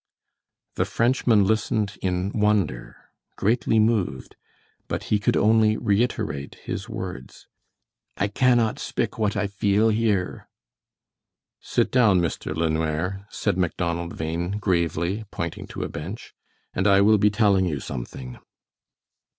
The Frenchman listened in wonder, greatly moved, but he could only reiterate his words: "I cannot spik what I feel here." "Sit down, Mr. LeNoir," said Macdonald Bhain, gravely, pointing to a bench, "and I will be telling you something."